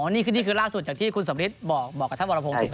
อ๋อนี่คือล่าสุดจากที่คุณสมฤทธิ์บอกกับท่านบรพงษ์ถูกนะครับ